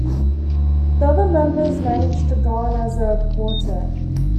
The other members managed to go on as a quartet.